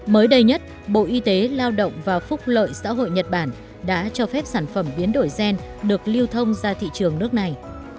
mới đây nhất bộ y tế lao động và phúc lợi xã hội nhật bản đã cho phép sản phẩm biến đổi gen được lưu thông ra thị trường nước này